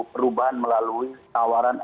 perubahan melalui tawaran